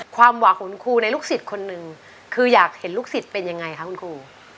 ความหวังของคุณครูในลูกศิษย์คนหนึ่งคืออยากเห็นลูกศิษย์เป็นยังไงคะคุณครู